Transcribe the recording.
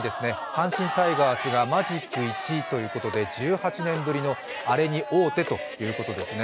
阪神タイガースがマジック１ということで１８年ぶりのアレに王手ということですね。